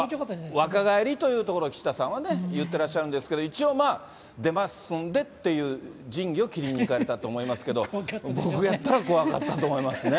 若返りというところを、岸田さんはね、言ってらっしゃるんですけど、一応、出ますんでっていう仁義を切りに行かれたと思うんですけど、僕だったら怖いと思いますね。